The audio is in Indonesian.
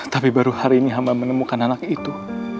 tapi baru hari ini hamba menemukan anak itu